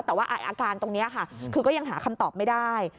แต่ว่าอาการตรงนี้ค่ะคือก็ยังหาคำตอบไม่ได้